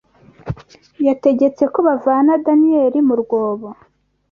Yategetse ko bavana Daniyeli mu rwobo